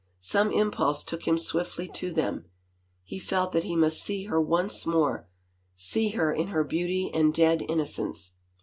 Some impulse took him swiftly to them : he felt that he must see her once more, see her in her beauty and dead innocence.